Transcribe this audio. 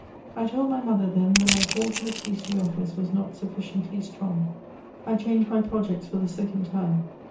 I told my mother, then, that my call to the priestly office was not sufficiently strong. I changed my projects for the second time.